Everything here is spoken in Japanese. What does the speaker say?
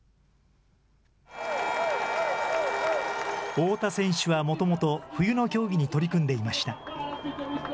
太田選手はもともと、冬の競技に取り組んでいました。